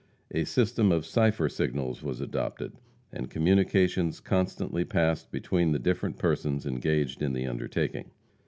A system of cipher signals was adopted, and communications constantly passed between the different persons engaged in the undertaking.